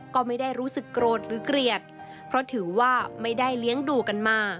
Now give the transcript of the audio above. ก็ไม่ได้รู้สึกโกรธหรือเกลียดเพราะถือว่าไม่ได้เลี้ยงดูกันมา